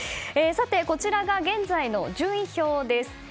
こちらが現在の順位表です。